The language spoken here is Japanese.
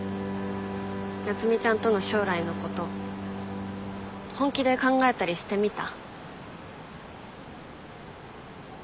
夏海ちゃんとの将来のこと本気で考えたりしてみた？